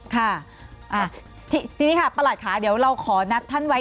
ค่ะทีนี้ค่ะประหลัดค่ะเดี๋ยวเราขอนัดท่านไว้